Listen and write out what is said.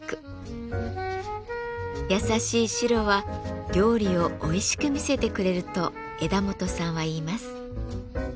優しい白は料理をおいしく見せてくれると枝元さんは言います。